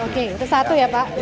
oke itu satu ya pak